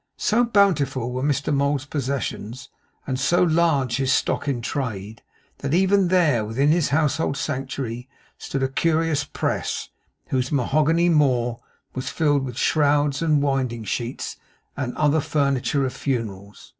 So bountiful were Mr Mould's possessions, and so large his stock in trade, that even there, within his household sanctuary, stood a cumbrous press, whose mahogany maw was filled with shrouds, and winding sheets, and other furniture of funerals.